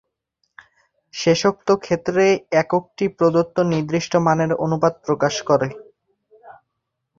শেষোক্ত ক্ষেত্রে এককটি প্রদত্ত নির্দিষ্ট মানের অনুপাত প্রকাশ করে।